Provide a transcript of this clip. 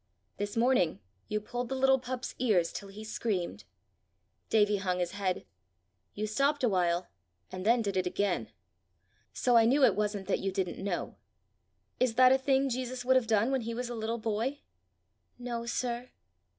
This morning you pulled the little pup's ears till he screamed." Davie hung his head. "You stopped a while, and then did it again! So I knew it wasn't that you didn't know. Is that a thing Jesus would have done when he was a little boy?" "No, sir."